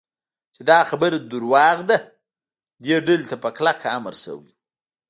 چې دا خبره دروغ ده، دې ډلې ته په کلکه امر شوی و.